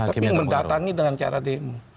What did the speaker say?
tapi mendatangi dengan cara demo